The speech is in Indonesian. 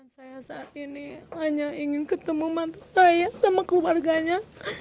saya saat ini hanya ingin ketemu mantu saya sama keluarganya